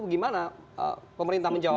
gimana pemerintah menjawab